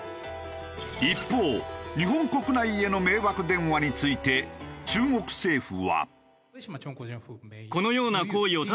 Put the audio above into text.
一方日本国内への迷惑電話について中国政府は。